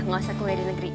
nggak usah kuliah di negeri